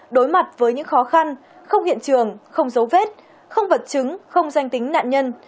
đối mặt với những khó khăn không hiện trường không dấu vết không vật chứng không danh tính nạn nhân